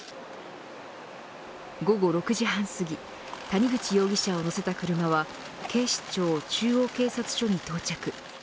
午後６時半すぎ谷口容疑者を乗せた車は警視庁中央警察署に到着。